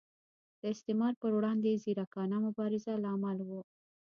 د استعمار پر وړاندې ځیرکانه مبارزه لامل و.